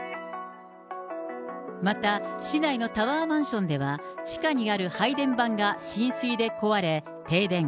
また市内のタワーマンションでは、地下にある配電盤が浸水で壊れ、停電。